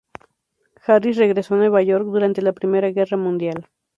Harris regresó a Nueva York durante la Primera Guerra Mundial.